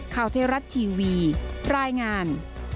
ข่าวเทราะห์ทีวีรายงาน